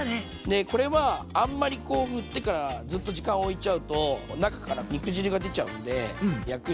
でこれはあんまりこうふってからずっと時間おいちゃうと中から肉汁が出ちゃうんで焼く